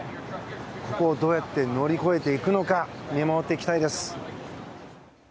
ここをどうやって乗り越えていくのか見守りたいです。